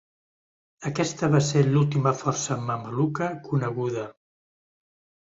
Aquesta va ser l'última força mameluca coneguda.